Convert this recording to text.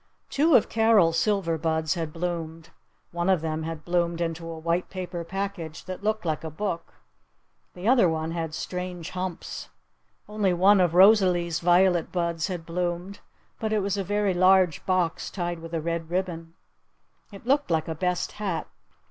Two of Carol's silver buds had bloomed. One of them had bloomed into a white paper package that looked like a book. The other one had strange humps. Only one of Rosalee's violet buds had bloomed. But it was a very large box tied with red ribbon. It looked like a best hat.